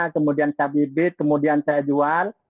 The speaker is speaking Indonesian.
kemudian saya bibit kemudian saya jual